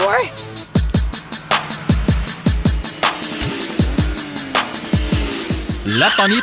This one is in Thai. และตอนนี้ทั้งสองทีม